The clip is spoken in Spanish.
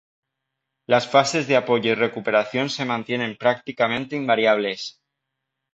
Las fases de apoyo y recuperación se mantienen prácticamente invariables.